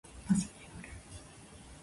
バスに乗る。